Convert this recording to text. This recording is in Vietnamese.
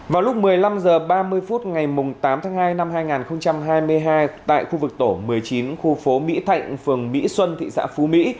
vào lúc một mươi năm h ba mươi phút ngày tám tháng hai năm hai nghìn hai mươi hai tại khu vực tổ một mươi chín khu phố mỹ thạnh phường mỹ xuân thị xã phú mỹ